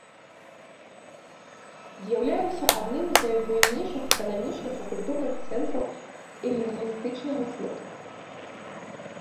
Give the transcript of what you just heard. З'яўляўся адным з найбуйнейшых эканамічных і культурных цэнтраў эліністычнага свету.